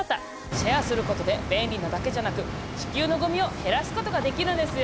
シェアすることで便利なだけじゃなく地球のごみを減らすことができるんですよ！